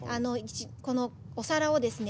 このお皿をですね